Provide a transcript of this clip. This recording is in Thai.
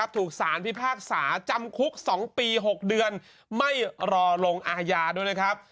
ถูกสารพิพากษาจำคุก๒ปี๖เดือนไม่รอลงอาญาด้วยนะครับ